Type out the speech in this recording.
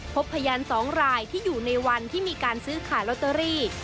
พบพยาน๒รายที่อยู่ในวันที่มีการซื้อขายลอตเตอรี่